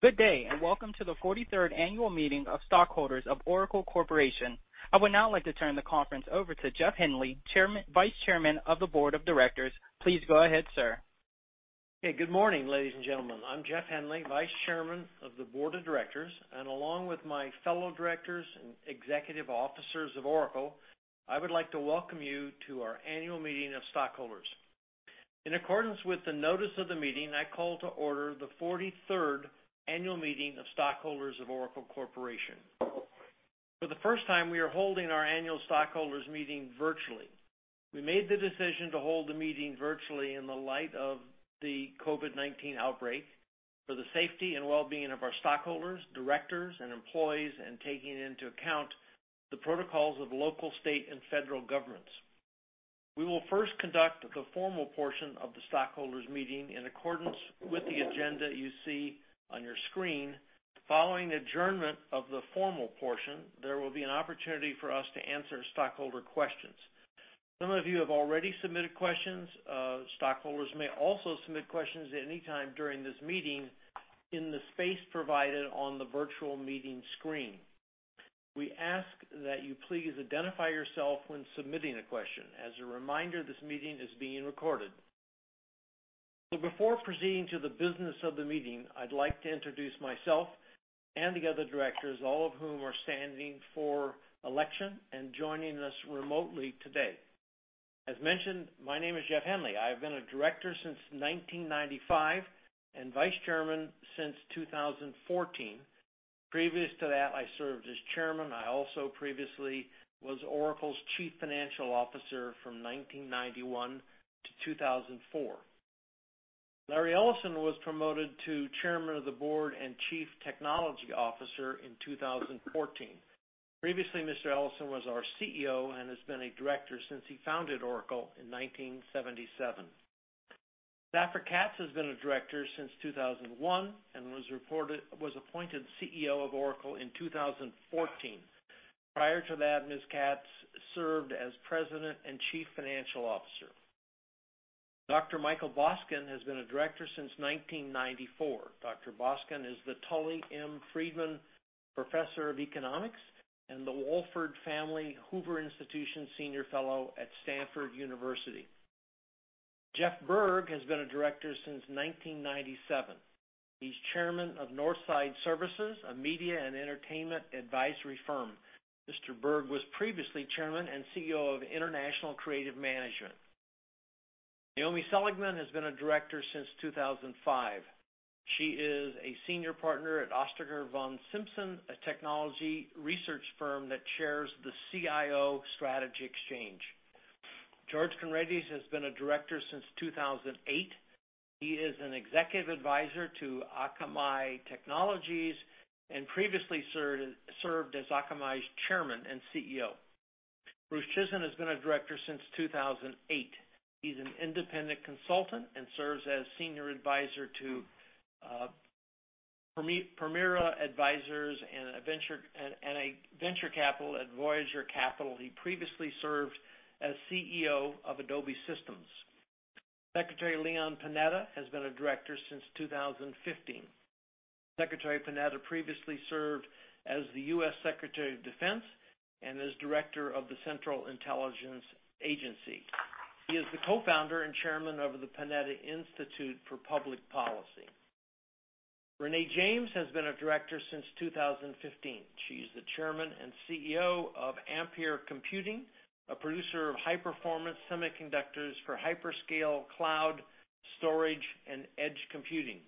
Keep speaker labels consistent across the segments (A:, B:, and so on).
A: Good day, and welcome to the 43rd annual meeting of stockholders of Oracle Corporation. I would now like to turn the conference over to Jeff Henley, Vice Chairman of the Board of Directors. Please go ahead, sir.
B: Hey, good morning, ladies and gentlemen. I'm Jeff Henley, Vice Chairman of the Board of Directors, and along with my fellow directors and executive officers of Oracle, I would like to welcome you to our annual meeting of stockholders. In accordance with the notice of the meeting, I call to order the 43rd Annual Meeting of Stockholders of Oracle Corporation. For the first time, we are holding our annual stockholders meeting virtually. We made the decision to hold the meeting virtually in the light of the COVID-19 outbreak for the safety and wellbeing of our stockholders, directors, and employees, and taking into account the protocols of local, state, and federal governments. We will first conduct the formal portion of the stockholders meeting in accordance with the agenda you see on your screen. Following adjournment of the formal portion, there will be an opportunity for us to answer stockholder questions. Some of you have already submitted questions. Stockholders may also submit questions at any time during this meeting in the space provided on the virtual meeting screen. We ask that you please identify yourself when submitting a question. As a reminder, this meeting is being recorded. Before proceeding to the business of the meeting, I'd like to introduce myself and the other directors, all of whom are standing for election and joining us remotely today. As mentioned, my name is Jeff Henley. I have been a director since 1995, and Vice Chairman since 2014. Previous to that, I served as Chairman. I also previously was Oracle's Chief Financial Officer from 1991 to 2004. Larry Ellison was promoted to Chairman of the Board and Chief Technology Officer in 2014. Previously, Mr. Ellison was our CEO and has been a director since he founded Oracle in 1977. Safra Catz has been a director since 2001, and was appointed CEO of Oracle in 2014. Prior to that, Ms. Catz served as President and Chief Financial Officer. Dr. Michael Boskin has been a director since 1994. Dr. Boskin is the Tully M. Friedman Professor of Economics and the Wohlford Family Hoover Institution Senior Fellow at Stanford University. Jeff Berg has been a director since 1997. He's Chairman of Northside Services, a media and entertainment advisory firm. Mr. Berg was previously Chairman and CEO of International Creative Management. Naomi Seligman has been a director since 2005. She is a senior partner at Ostriker von Simson, a technology research firm that chairs the CIO Strategy Exchange. George Conrades has been a director since 2008. He is an executive advisor to Akamai Technologies and previously served as Akamai's Chairman and CEO. Bruce Chizen has been a Director since 2008. He's an independent consultant and serves as Senior Advisor to Permira Advisers and a venture capital at Voyager Capital. He previously served as CEO of Adobe Systems. Secretary Leon Panetta has been a director since 2015. Secretary Panetta previously served as the U.S. Secretary of Defense and as Director of the Central Intelligence Agency. He is the co-founder and chairman of the Panetta Institute for Public Policy. Renée James has been a director since 2015. She's the Chairman and CEO of Ampere Computing, a producer of high-performance semiconductors for hyperscale cloud storage and edge computing.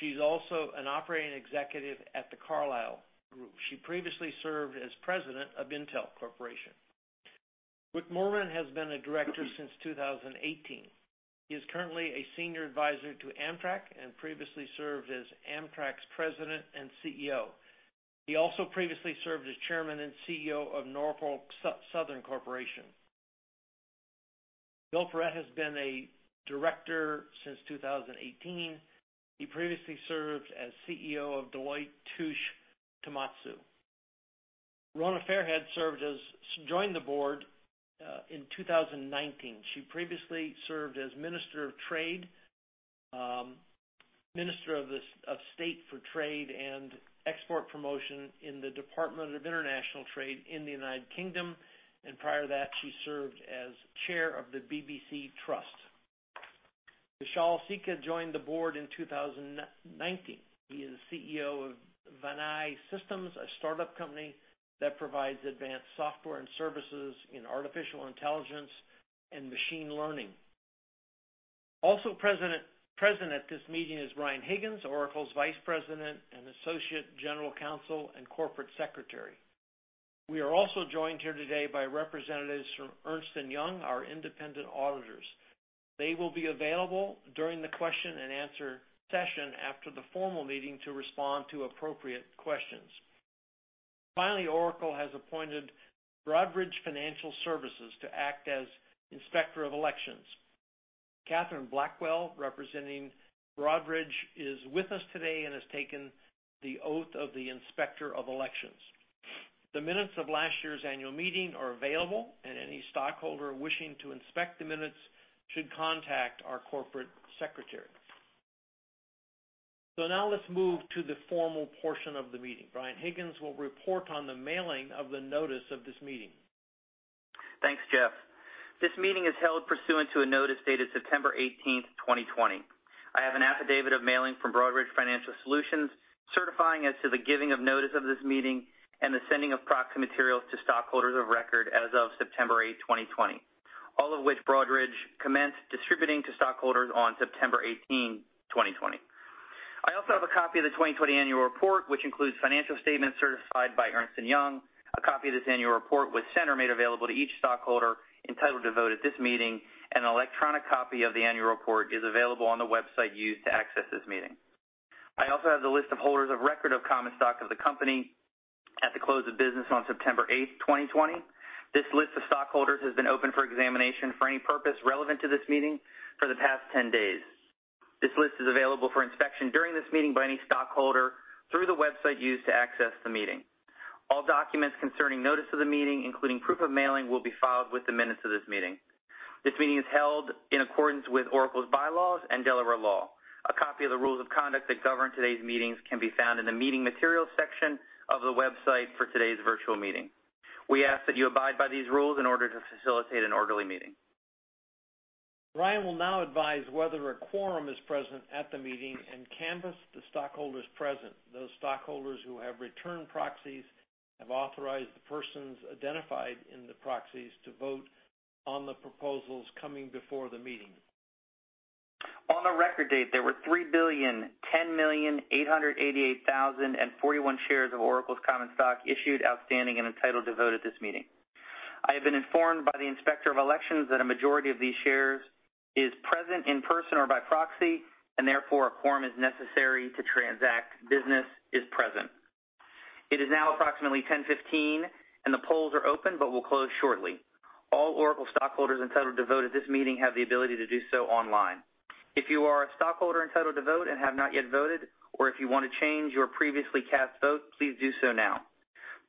B: She's also an operating executive at The Carlyle Group. She previously served as President of Intel Corporation. Wick Moorman has been a Director since 2018. He is currently a senior advisor to Amtrak and previously served as Amtrak's President and CEO. He also previously served as Chairman and CEO of Norfolk Southern Corporation. Bill Parrett has been a Director since 2018. He previously served as CEO of Deloitte Touche Tohmatsu. Rona Fairhead joined the board in 2019. She previously served as Minister of Trade, Minister of State for Trade and Export Promotion in the Department for International Trade in the United Kingdom, and prior to that, she served as Chair of the BBC Trust. Vishal Sikka joined the board in 2019. He is CEO of Vianai Systems, a startup company that provides advanced software and services in artificial intelligence and machine learning. Also present at this meeting is Brian Higgins, Oracle's Vice President and Associate General Counsel and Corporate Secretary. We are also joined here today by representatives from Ernst & Young, our Independent Auditors. They will be available during the question and answer session after the formal meeting to respond to appropriate questions. Oracle has appointed Broadridge Financial Solutions to act as Inspector of Elections. Catherine Blackwell, representing Broadridge, is with us today and has taken the oath of the Inspector of Elections. The minutes of last year's annual meeting are available, and any stockholder wishing to inspect the minutes should contact our corporate secretary. Now let's move to the formal portion of the meeting. Brian Higgins will report on the mailing of the notice of this meeting.
C: Thanks, Jeff. This meeting is held pursuant to a notice dated September 18th, 2020. I have an affidavit of mailing from Broadridge Financial Solutions certifying as to the giving of notice of this meeting and the sending of proxy materials to stockholders of record as of September 8, 2020, all of which Broadridge commenced distributing to stockholders on September 18, 2020. I also have a copy of the 2020 annual report, which includes financial statements certified by Ernst & Young. A copy of this annual report was sent or made available to each stockholder entitled to vote at this meeting, and an electronic copy of the annual report is available on the website used to access this meeting. I also have the list of holders of record of common stock of the company at the close of business on September 8th, 2020. This list of stockholders has been open for examination for any purpose relevant to this meeting for the past 10 days. This list is available for inspection during this meeting by any stockholder through the website used to access the meeting. All documents concerning notice of the meeting, including proof of mailing, will be filed with the minutes of this meeting. This meeting is held in accordance with Oracle's bylaws and Delaware law. A copy of the rules of conduct that govern today's meetings can be found in the meeting materials section of the website for today's virtual meeting. We ask that you abide by these rules in order to facilitate an orderly meeting.
B: Brian will now advise whether a quorum is present at the meeting and canvass the stockholders present. Those stockholders who have returned proxies have authorized the persons identified in the proxies to vote on the proposals coming before the meeting.
C: On the record date, there were 3,010,888,041 shares of Oracle's common stock issued, outstanding, and entitled to vote at this meeting. I have been informed by the Inspector of Elections that a majority of these shares is present in person or by proxy and therefore a quorum is necessary to transact business is present. It is now approximately 10:15, and the polls are open but will close shortly. All Oracle stockholders entitled to vote at this meeting have the ability to do so online. If you are a stockholder entitled to vote and have not yet voted, or if you want to change your previously cast vote, please do so now.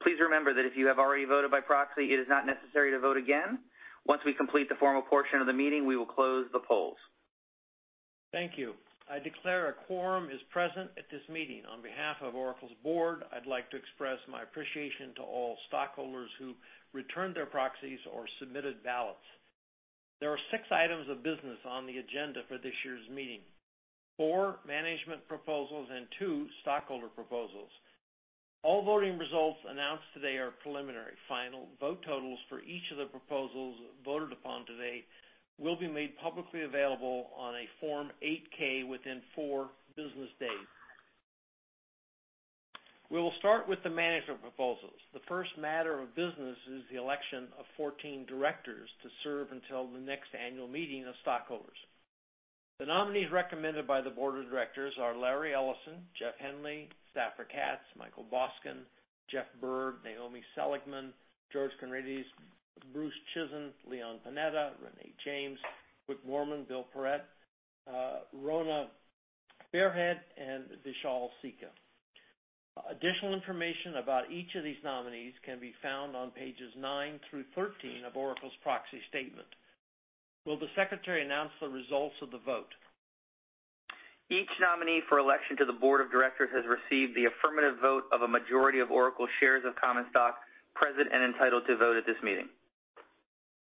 C: Please remember that if you have already voted by proxy, it is not necessary to vote again. Once we complete the formal portion of the meeting, we will close the polls.
B: Thank you. I declare a quorum is present at this meeting. On behalf of Oracle's Board, I'd like to express my appreciation to all stockholders who returned their proxies or submitted ballots. There are six items of business on the agenda for this year's meeting, four management proposals and two stockholder proposals. All voting results announced today are preliminary, final vote totals for each of the proposals voted upon today will be made publicly available on a Form 8-K within four business days. We will start with the management proposals. The first matter of business is the election of 14 directors to serve until the next annual meeting of stockholders. The nominees recommended by the Board of Directors are Larry Ellison, Jeff Henley, Safra Catz, Michael Boskin, Jeff Berg, Naomi Seligman, George Conrades, Bruce Chizen, Leon Panetta, Renée James, Wick Moorman, Bill Parrett, Rona Fairhead, and Vishal Sikka. Additional information about each of these nominees can be found on pages nine through 13 of Oracle's proxy statement. Will the secretary announce the results of the vote?
C: Each nominee for election to the board of directors has received the affirmative vote of a majority of Oracle shares of common stock present and entitled to vote at this meeting.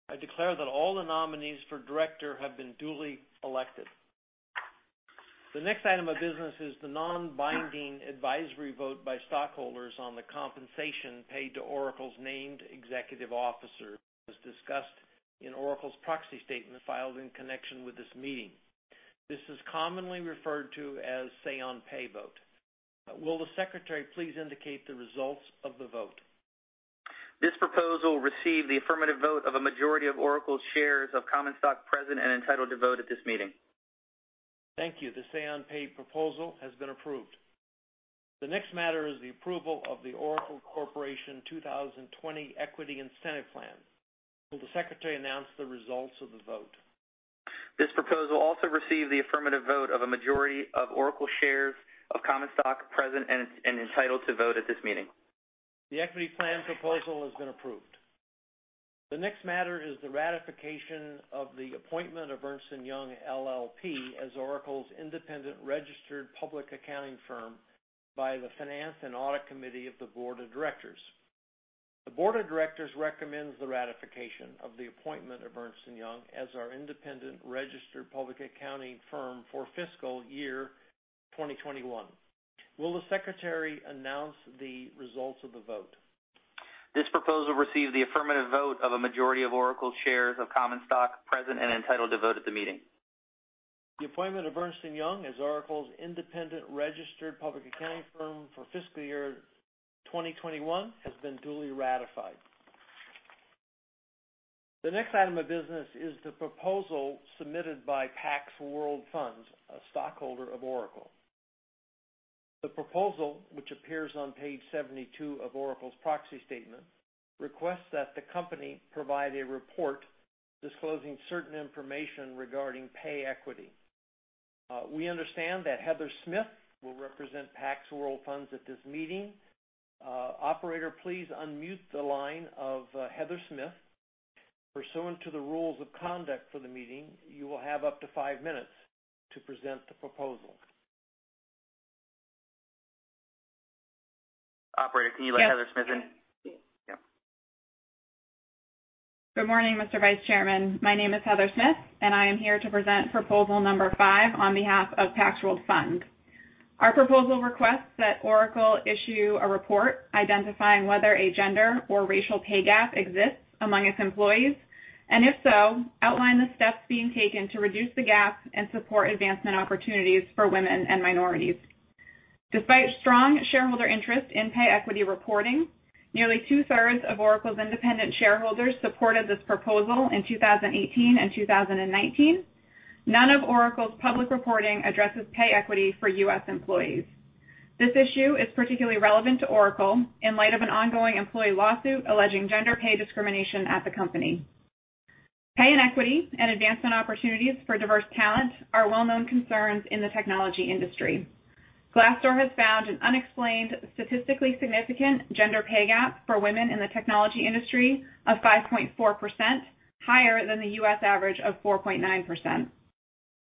B: I declare that all the nominees for director have been duly elected. The next item of business is the non-binding advisory vote by stockholders on the compensation paid to Oracle's named executive officer, as discussed in Oracle's proxy statement filed in connection with this meeting. This is commonly referred to as say on pay vote. Will the secretary please indicate the results of the vote?
C: This proposal received the affirmative vote of a majority of Oracle shares of common stock present and entitled to vote at this meeting.
B: Thank you. The say on pay proposal has been approved. The next matter is the approval of the Oracle Corporation 2020 Equity Incentive Plan. Will the secretary announce the results of the vote?
C: This proposal also received the affirmative vote of a majority of Oracle shares of common stock present and entitled to vote at this meeting.
B: The equity plan proposal has been approved. The next matter is the ratification of the appointment of Ernst & Young LLP as Oracle's independent registered public accounting firm by the Finance and Audit Committee of the board of directors. The board of directors recommends the ratification of the appointment of Ernst & Young as our independent registered public accounting firm for fiscal year 2021. Will the secretary announce the results of the vote?
C: This proposal received the affirmative vote of a majority of Oracle shares of common stock present and entitled to vote at the meeting.
B: The appointment of Ernst & Young as Oracle's independent registered public accounting firm for fiscal year 2021 has been duly ratified. The next item of business is the proposal submitted by Pax World Funds, a stockholder of Oracle. The proposal, which appears on page 72 of Oracle's proxy statement, requests that the company provide a report disclosing certain information regarding pay equity. We understand that Heather Smith will represent Pax World Funds at this meeting. Operator, please unmute the line of Heather Smith. Pursuant to the rules of conduct for the meeting, you will have up to five minutes to present the proposal.
C: Operator, can you let Heather Smith in?
A: Yep.
D: Good morning, Mr. Vice Chairman. My name is Heather Smith, and I am here to present proposal number five on behalf of Pax World Funds. Our proposal requests that Oracle issue a report identifying whether a gender or racial pay gap exists among its employees, and if so, outline the steps being taken to reduce the gap and support advancement opportunities for women and minorities. Despite strong shareholder interest in pay equity reporting, nearly two-thirds of Oracle's independent shareholders supported this proposal in 2018 and 2019. None of Oracle's public reporting addresses pay equity for U.S. employees. This issue is particularly relevant to Oracle in light of an ongoing employee lawsuit alleging gender pay discrimination at the company. Pay inequity and advancement opportunities for diverse talent are well-known concerns in the technology industry. Glassdoor has found an unexplained, statistically significant gender pay gap for women in the technology industry of 5.4%, higher than the U.S. average of 4.9%.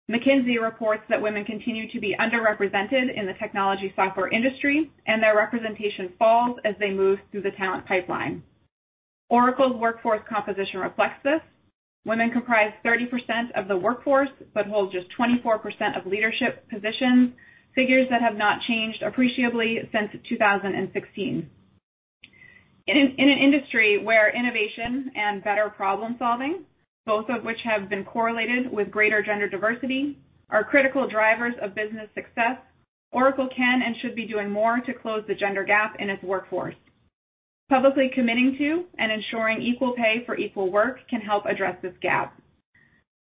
D: McKinsey reports that women continue to be underrepresented in the technology software industry, and their representation falls as they move through the talent pipeline. Oracle's workforce composition reflects this. Women comprise 30% of the workforce but hold just 24% of leadership positions, figures that have not changed appreciably since 2016. In an industry where innovation and better problem-solving, both of which have been correlated with greater gender diversity, are critical drivers of business success, Oracle can and should be doing more to close the gender gap in its workforce. Publicly committing to and ensuring equal pay for equal work can help address this gap.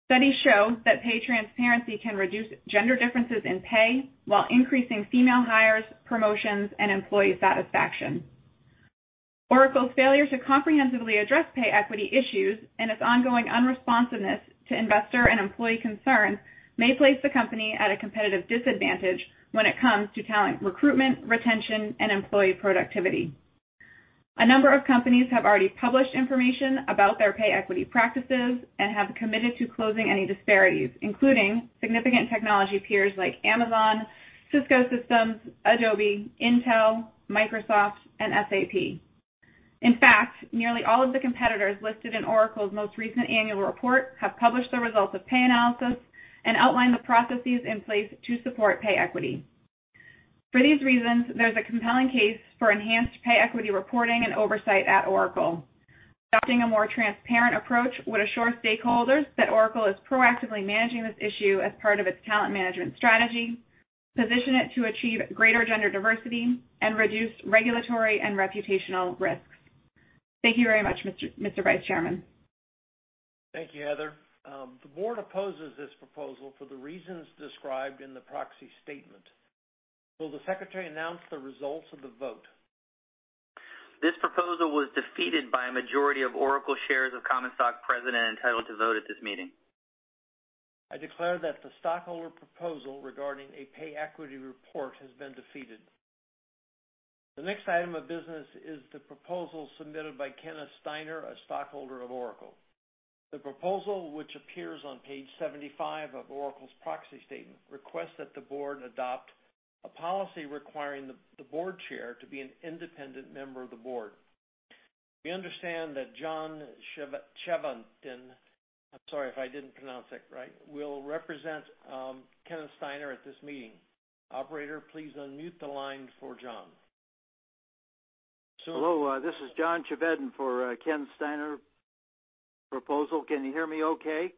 D: Studies show that pay transparency can reduce gender differences in pay while increasing female hires, promotions, and employee satisfaction. Oracle's failure to comprehensively address pay equity issues and its ongoing unresponsiveness to investor and employee concerns may place the company at a competitive disadvantage when it comes to talent recruitment, retention, and employee productivity. A number of companies have already published information about their pay equity practices and have committed to closing any disparities, including significant technology peers like Amazon, Cisco Systems, Adobe, Intel, Microsoft, and SAP. In fact, nearly all of the competitors listed in Oracle's most recent annual report have published the results of pay analysis and outlined the processes in place to support pay equity. For these reasons, there's a compelling case for enhanced pay equity reporting and oversight at Oracle. Adopting a more transparent approach would assure stakeholders that Oracle is proactively managing this issue as part of its talent management strategy, position it to achieve greater gender diversity, and reduce regulatory and reputational risks. Thank you very much, Mr. Vice Chairman.
B: Thank you, Heather. The board opposes this proposal for the reasons described in the proxy statement. Will the secretary announce the results of the vote?
C: This proposal was defeated by a majority of Oracle shares of common stock present and entitled to vote at this meeting.
B: I declare that the stockholder proposal regarding a pay equity report has been defeated. The next item of business is the proposal submitted by Kenneth Steiner, a Stockholder of Oracle. The proposal, which appears on page 75 of Oracle's proxy statement, requests that the board adopt a policy requiring the board chair to be an independent member of the board. We understand that John Chevedden, I'm sorry if I didn't pronounce that right, will represent Kenneth Steiner at this meeting. Operator, please unmute the line for John.
E: Hello, this is John Chevedden for Kenneth Steiner proposal. Can you hear me okay?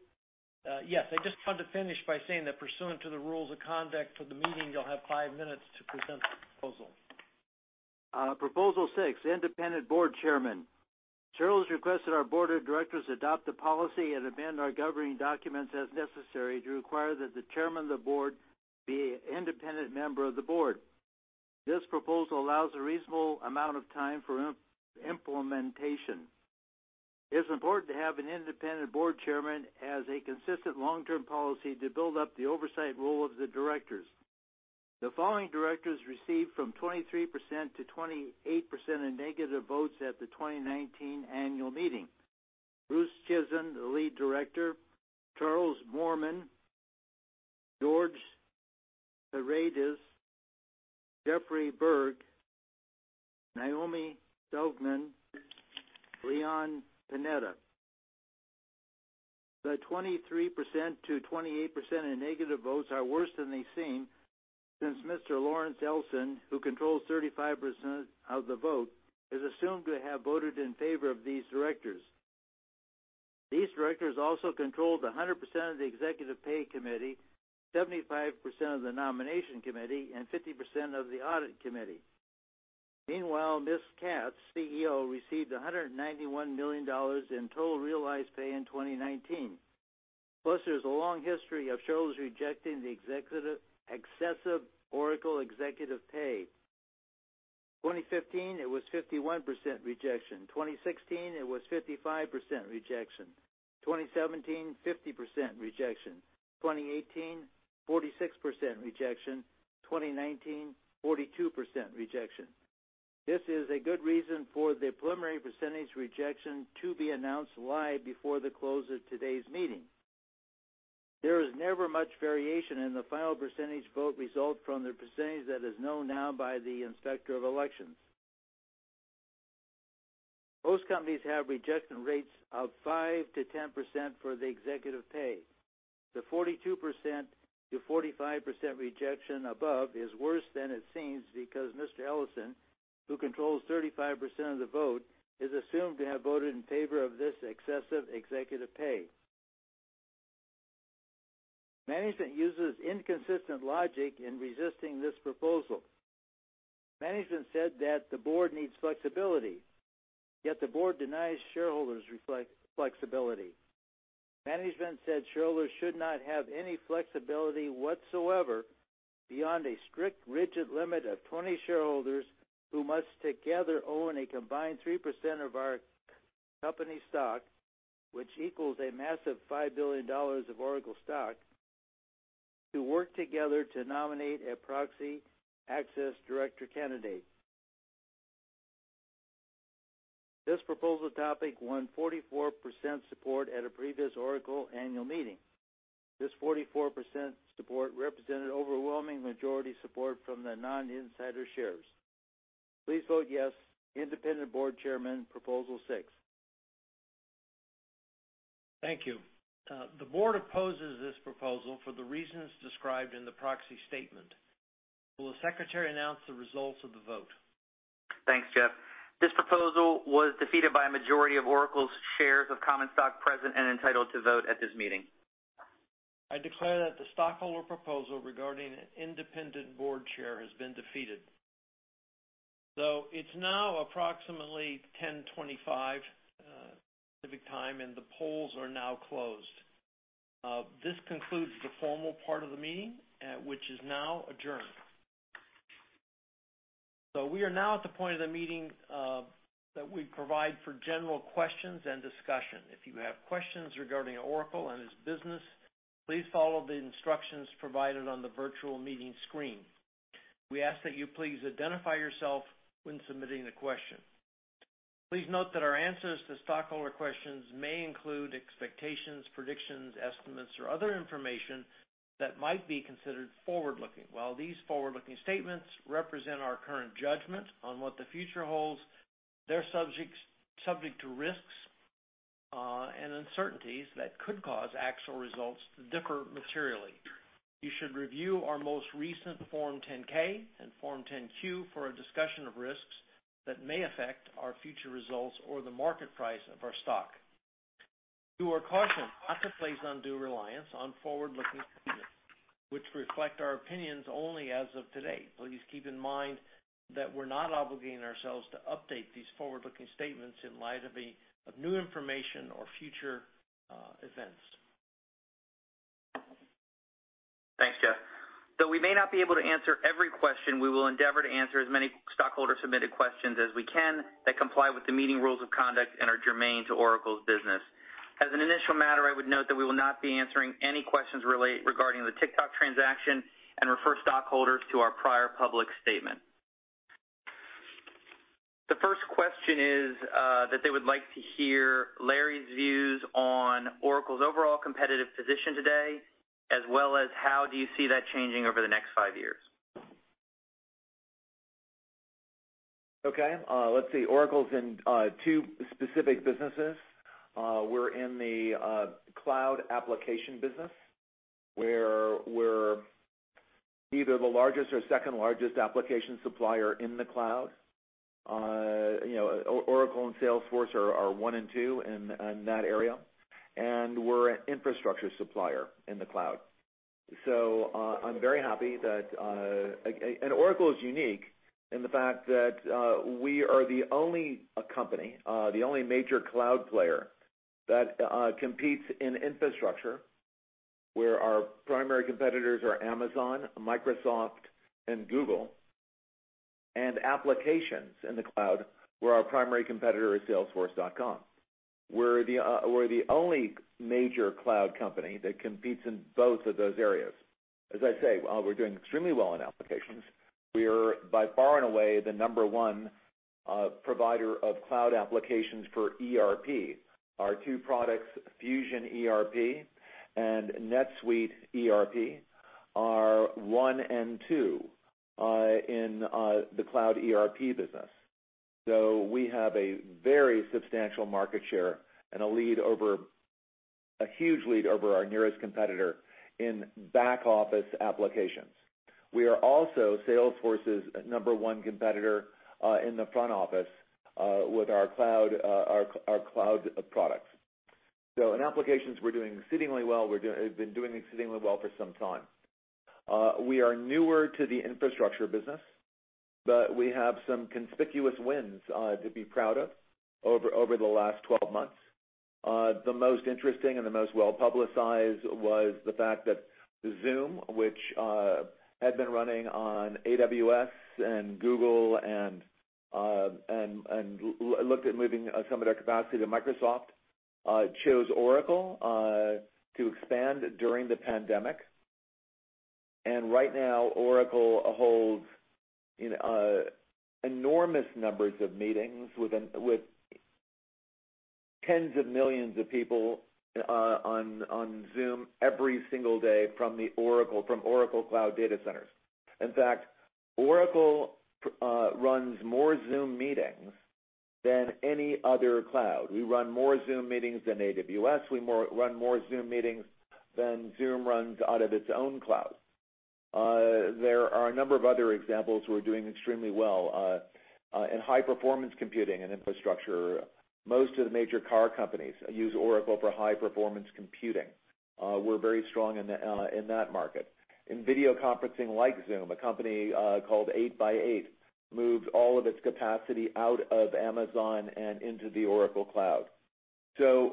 B: Yes. I just want to finish by saying that pursuant to the rules of conduct for the meeting, you'll have five minutes to present the proposal.
E: Proposal six, Independent Board Chairman. Shareholders request that our Board of Directors adopt a policy and amend our governing documents as necessary to require that the Chairman of the Board be an independent member of the board. This proposal allows a reasonable amount of time for implementation. It is important to have an independent Board Chairman as a consistent long-term policy to build up the oversight role of the directors. The following directors received from 23%-28% in negative votes at the 2019 annual meeting. Bruce Chizen, the lead director, Charles Moorman, George Conrades, Jeffrey Berg, Naomi Seligman, Leon Panetta. The 23%-28% in negative votes are worse than they've seen since Mr. Lawrence Ellison, who controls 35% of the vote, is assumed to have voted in favor of these directors. These directors also controlled 100% of the executive pay committee, 75% of the nomination committee, and 50% of the audit committee. Meanwhile, Ms. Catz, CEO, received $191 million in total realized pay in 2019. Plus, there's a long history of shareholders rejecting the excessive Oracle executive pay. 2015, it was 51% rejection. 2016, it was 55% rejection. 2017, 50% rejection. 2018, 46% rejection. 2019, 42% rejection. This is a good reason for the preliminary percentage rejection to be announced live before the close of today's meeting. There is never much variation in the final percentage vote result from the percentage that is known now by the Inspector of Elections. Most companies have rejection rates of 5%-10% for the executive pay. The 42%-45% rejection above is worse than it seems because Mr. Ellison, who controls 35% of the vote, is assumed to have voted in favor of this excessive executive pay. Management uses inconsistent logic in resisting this proposal. Management said that the board needs flexibility, yet the board denies shareholders flexibility. Management said shareholders should not have any flexibility whatsoever beyond a strict, rigid limit of 20 shareholders who must together own a combined 3% of our company stock, which equals a massive $5 billion of Oracle stock, to work together to nominate a proxy access director candidate. This proposal topic won 44% support at a previous Oracle annual meeting. This 44% support represented overwhelming majority support from the non-insider shares. Please vote yes, independent board chairman, proposal six.
B: Thank you. The board opposes this proposal for the reasons described in the proxy statement. Will the secretary announce the results of the vote?
C: Thanks, Jeff. This proposal was defeated by a majority of Oracle's shares of common stock present and entitled to vote at this meeting.
B: I declare that the stockholder proposal regarding an independent board chair has been defeated. It's now approximately 10:25 P.M. Pacific Time, and the polls are now closed. This concludes the formal part of the meeting, which is now adjourned. We are now at the point of the meeting that we provide for general questions and discussion. If you have questions regarding Oracle and its business, please follow the instructions provided on the virtual meeting screen. We ask that you please identify yourself when submitting a question. Please note that our answers to stockholder questions may include expectations, predictions, estimates, or other information that might be considered forward-looking. While these forward-looking statements represent our current judgment on what the future holds, they're subject to risks and uncertainties that could cause actual results to differ materially. You should review our most recent Form 10-K and Form 10-Q for a discussion of risks that may affect our future results or the market price of our stock. You are cautioned not to place undue reliance on forward-looking statements, which reflect our opinions only as of today. Please keep in mind that we're not obligating ourselves to update these forward-looking statements in light of new information or future events.
C: Thanks, Jeff. Though we may not be able to answer every question, we will endeavor to answer as many stockholder-submitted questions as we can that comply with the meeting rules of conduct and are germane to Oracle's business. As an initial matter, I would note that we will not be answering any questions regarding the TikTok transaction and refer stockholders to our prior public statement. The first question is that they would like to hear Larry's views on Oracle's overall competitive position today, as well as how do you see that changing over the next five years?
F: Okay, let's see. Oracle's in two specific businesses. We're in the cloud application business, where we're either the largest or second-largest application supplier in the cloud. Oracle and Salesforce are one and two in that area, and we're an infrastructure supplier in the cloud. I'm very happy that Oracle is unique in the fact that we are the only company, the only major cloud player that competes in infrastructure, where our primary competitors are Amazon, Microsoft, and Google, and applications in the cloud, where our primary competitor is salesforce.com. We're the only major cloud company that competes in both of those areas. As I say, while we're doing extremely well in applications, we are by far and away the number one provider of cloud applications for ERP. Our two products, Fusion ERP and NetSuite ERP, are one and two in the cloud ERP business. We have a very substantial market share and a huge lead over our nearest competitor in back-office applications. We are also Salesforce's number one competitor in the front office with our cloud products. In applications, we're doing exceedingly well. We've been doing exceedingly well for some time. We are newer to the infrastructure business, we have some conspicuous wins to be proud of over the last 12 months. The most interesting and the most well-publicized was the fact that Zoom, which had been running on AWS and Google, and looked at moving some of their capacity to Microsoft, chose Oracle to expand during the pandemic. Right now, Oracle holds enormous numbers of meetings with tens of millions of people on Zoom every single day from Oracle Cloud data centers. In fact, Oracle runs more Zoom meetings than any other cloud. We run more Zoom meetings than AWS. We run more Zoom meetings than Zoom runs out of its own cloud. There are a number of other examples who are doing extremely well. In high-performance computing and infrastructure, most of the major car companies use Oracle for high-performance computing. We're very strong in that market. In video conferencing like Zoom, a company called 8x8 moved all of its capacity out of Amazon and into the Oracle Cloud.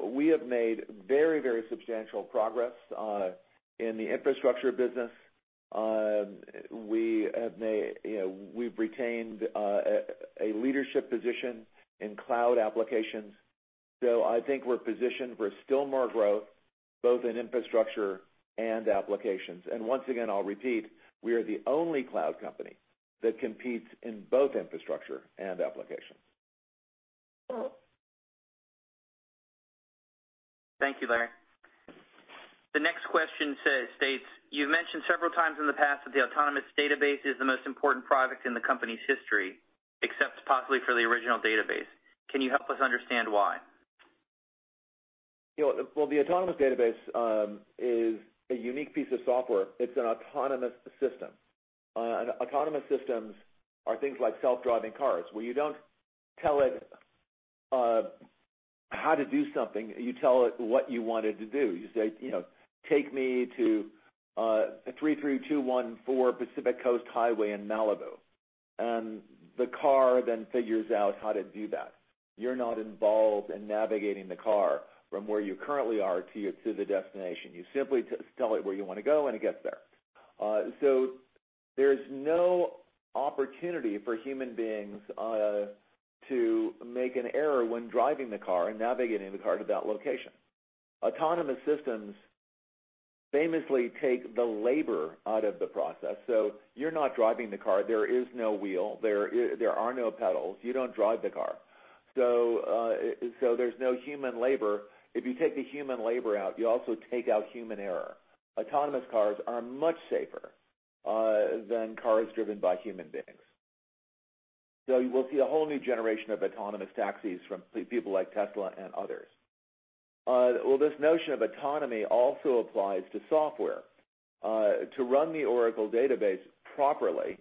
F: We have made very substantial progress in the infrastructure business. We've retained a leadership position in cloud applications. I think we're positioned for still more growth, both in infrastructure and applications. Once again, I'll repeat, we are the only cloud company that competes in both infrastructure and applications.
C: Thank you, Larry. The next question states, "You've mentioned several times in the past that the Autonomous Database is the most important product in the company's history, except possibly for the original database. Can you help us understand why?
F: Well, the Autonomous Database is a unique piece of software. It's an autonomous system. Autonomous systems are things like self-driving cars, where you don't tell it how to do something, you tell it what you want it to do. You say, "Take me to 33214 Pacific Coast Highway in Malibu." The car then figures out how to do that. You're not involved in navigating the car from where you currently are to the destination. You simply tell it where you want to go, and it gets there. There's no opportunity for human beings to make an error when driving the car and navigating the car to that location. Autonomous systems famously take the labor out of the process. You're not driving the car. There is no wheel. There are no pedals. You don't drive the car. There's no human labor. If you take the human labor out, you also take out human error. Autonomous cars are much safer than cars driven by human beings. You will see a whole new generation of autonomous taxis from people like Tesla and others. Well, this notion of autonomy also applies to software. To run the Oracle Database properly,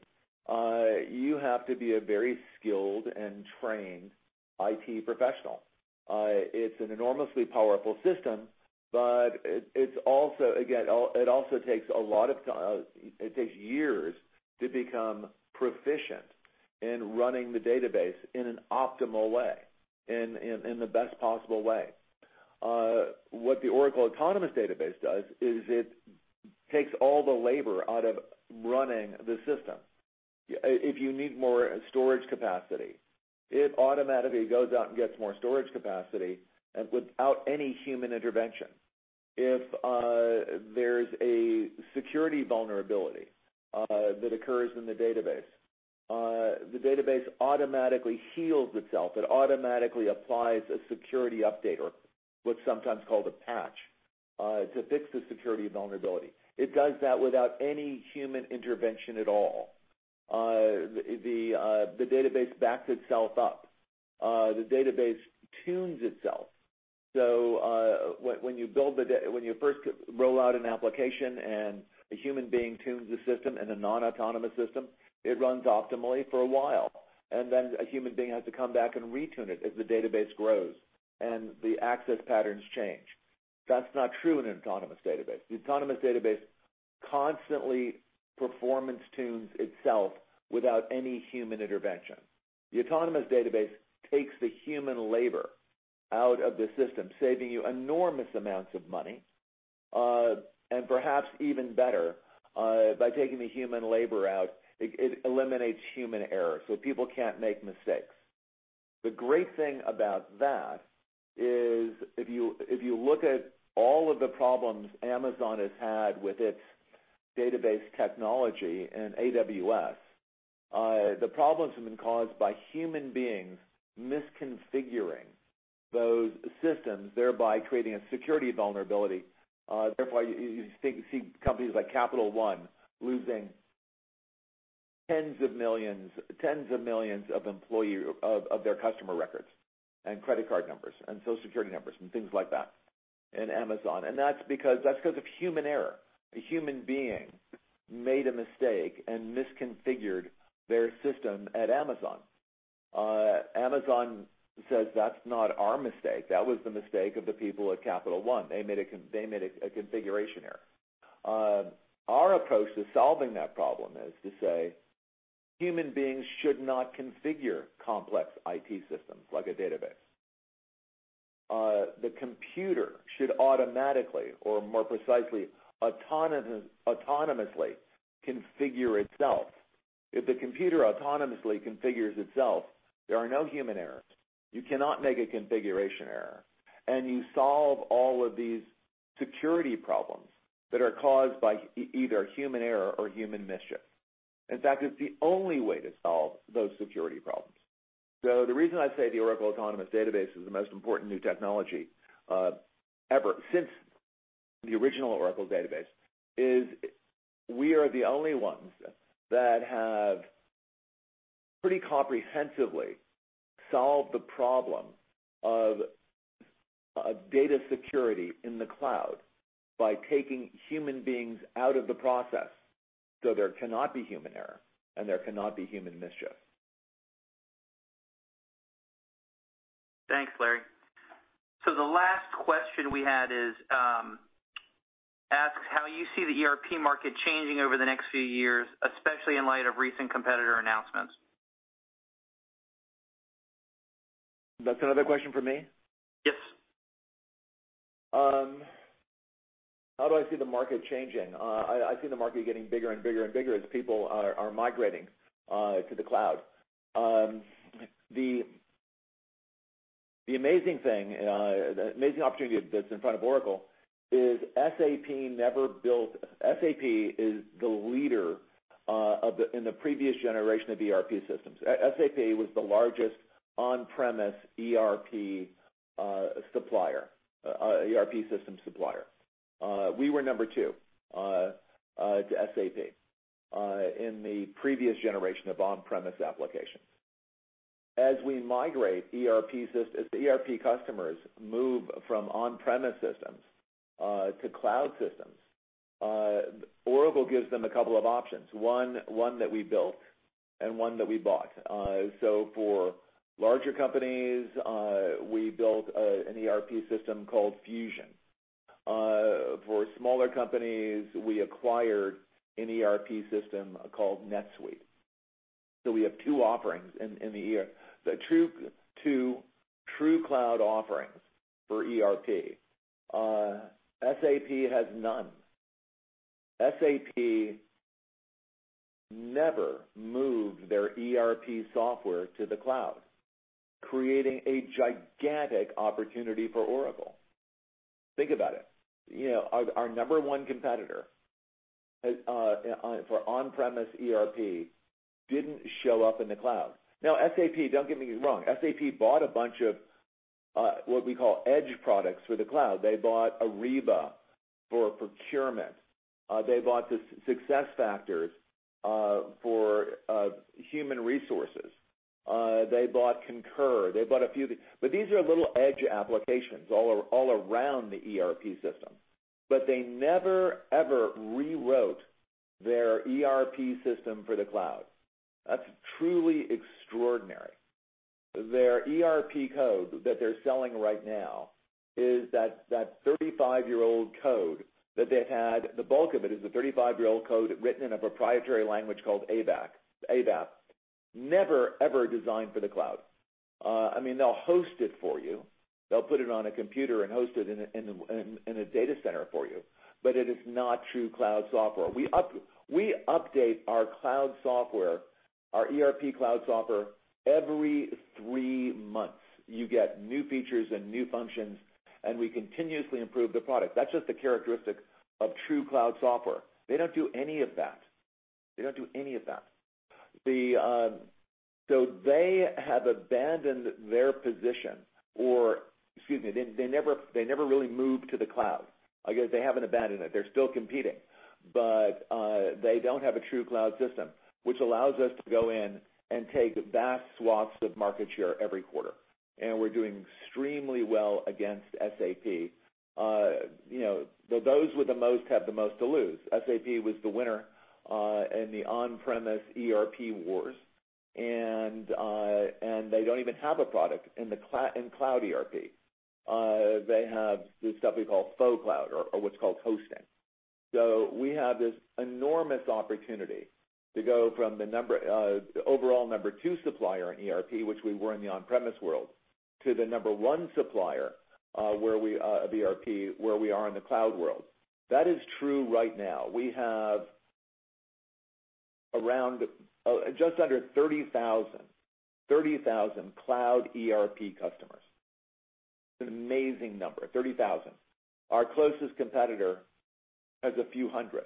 F: you have to be a very skilled and trained IT professional. It's an enormously powerful system, but it also takes years to become proficient in running the database in an optimal way, in the best possible way. What the Oracle Autonomous Database does is it takes all the labor out of running the system. If you need more storage capacity, it automatically goes out and gets more storage capacity, and without any human intervention. If there's a security vulnerability that occurs in the database, the database automatically heals itself. It automatically applies a security update, or what's sometimes called a patch, to fix the security vulnerability. It does that without any human intervention at all. The database backs itself up. The database tunes itself. So when you first roll out an application, and a human being tunes the system in a non-autonomous system, it runs optimally for a while, and then a human being has to come back and retune it as the database grows and the access patterns change. That's not true in an autonomous database. The autonomous database constantly performance tunes itself without any human intervention. The autonomous database takes the human labor out of the system, saving you enormous amounts of money. And perhaps even better, by taking the human labor out, it eliminates human error, so people can't make mistakes. The great thing about that is if you look at all of the problems Amazon has had with its database technology and AWS, the problems have been caused by human beings misconfiguring those systems, thereby creating a security vulnerability. Therefore, you see companies like Capital One losing tens of millions of their customer records, and credit card numbers, and Social Security numbers, and things like that in Amazon. That's because of human error. A human being made a mistake and misconfigured their system at Amazon. Amazon says, "That's not our mistake. That was the mistake of the people at Capital One. They made a configuration error." Our approach to solving that problem is to say. Human beings should not configure complex IT systems like a database. The computer should automatically, or more precisely, autonomously configure itself. If the computer autonomously configures itself, there are no human errors. You cannot make a configuration error, and you solve all of these security problems that are caused by either human error or human mischief. In fact, it's the only way to solve those security problems. The reason I say the Oracle Autonomous Database is the most important new technology ever since the original Oracle database is we are the only ones that have pretty comprehensively solved the problem of data security in the cloud by taking human beings out of the process so there cannot be human error, and there cannot be human mischief.
C: Thanks, Larry. The last question we had asks how you see the ERP market changing over the next few years, especially in light of recent competitor announcements.
F: That's another question for me?
C: Yes.
F: How do I see the market changing? I see the market getting bigger and bigger and bigger as people are migrating to the cloud. The amazing thing, the amazing opportunity that's in front of Oracle is SAP is the leader in the previous generation of ERP systems. SAP was the largest on-premise ERP system supplier. We were number two to SAP in the previous generation of on-premise applications. As ERP customers move from on-premise systems to cloud systems, Oracle gives them a couple of options. One that we built and one that we bought. For larger companies, we built an ERP system called Fusion. For smaller companies, we acquired an ERP system called NetSuite. We have two offerings in the year. The two true cloud offerings for ERP. SAP has none. SAP never moved their ERP software to the cloud, creating a gigantic opportunity for Oracle. Think about it. Our number one competitor for on-premise ERP didn't show up in the cloud. Now, SAP, don't get me wrong, SAP bought a bunch of what we call edge products for the cloud. They bought Ariba for procurement. They bought SuccessFactors for human resources. They bought Concur. They bought a few, but these are little edge applications all around the ERP system. They never, ever rewrote their ERP system for the cloud. That's truly extraordinary. Their ERP code that they're selling right now is that 35-year-old code that they've had. The bulk of it is the 35-year-old code written in a proprietary language called ABAP. Never ever designed for the cloud. They'll host it for you. They'll put it on a computer and host it in a data center for you, it is not true cloud software. We update our cloud software, our ERP cloud software, every three months. You get new features and new functions, we continuously improve the product. That's just the characteristic of true cloud software. They don't do any of that. They have abandoned their position, or excuse me, they never really moved to the cloud. I guess they haven't abandoned it. They're still competing. They don't have a true cloud system, which allows us to go in and take vast swaths of market share every quarter. We're doing extremely well against SAP. Those with the most have the most to lose. SAP was the winner in the on-premise ERP wars, they don't even have a product in cloud ERP. They have this stuff we call faux cloud or what's called hosting. We have this enormous opportunity to go from the overall number two supplier in ERP, which we were in the on-premise world, to the number one supplier of ERP, where we are in the cloud world. That is true right now. We have just under 30,000 cloud ERP customers. It's an amazing number, 30,000. Our closest competitor has a few hundred.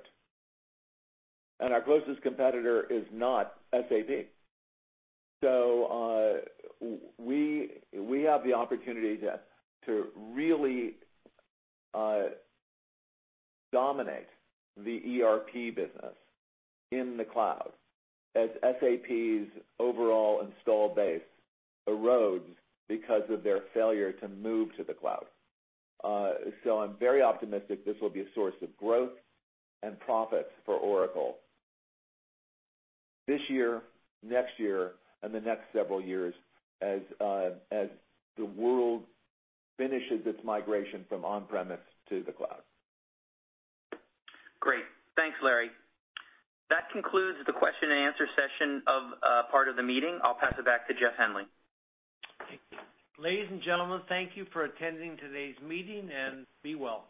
F: Our closest competitor is not SAP. We have the opportunity to really dominate the ERP business in the cloud as SAP's overall install base erodes because of their failure to move to the cloud. I'm very optimistic this will be a source of growth and profits for Oracle this year, next year, and the next several years as the world finishes its migration from on-premise to the cloud.
C: Great. Thanks, Larry. That concludes the question and answer session part of the meeting. I'll pass it back to Jeff Henley.
B: Ladies and gentlemen, thank you for attending today's meeting, and be well.